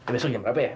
besok jam berapa ya